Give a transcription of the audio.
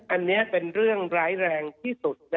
อันนี้เป็นเรื่องร้ายแรงที่สุด